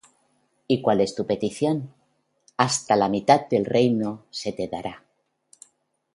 ¿y cuál es tu petición? Hasta la mitad del reino, se te dará.